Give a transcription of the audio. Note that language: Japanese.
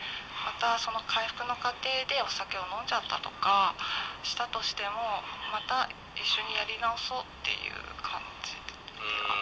またその回復の過程でお酒を飲んじゃったとかしたとしてもまた一緒にやり直そうっていう感じ。